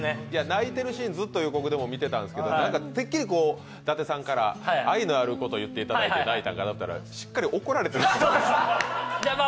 泣いてるシーンずっと予告でも出てたんですけどてっきり伊達さんから愛のある言葉をいただいて泣いたのかなと思ったらしっかり怒られて泣いたんですね。